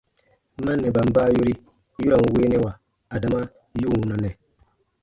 Mannɛban baa yori yu ra n weenɛwa adama yu wunanɛ.